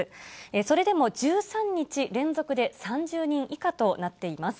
それでも１３日連続で３０人以下となっています。